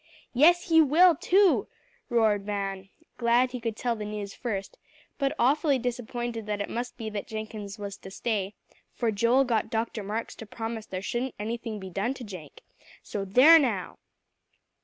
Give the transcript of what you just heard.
"Yes he will too," roared Van, glad he could tell the news first, but awfully disappointed that it must be that Jenkins was to stay, "for Joel got Dr. Marks to promise there shouldn't anything be done to Jenk. So there now!"